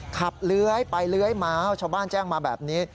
เลื้อยไปเลื้อยมาชาวบ้านแจ้งมาแบบนี้